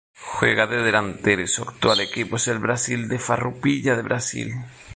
Juega de delantero y su actual equipo es el Brasil de Farroupilha de Brasil.